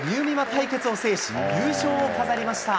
対決を制し、優勝を飾りました。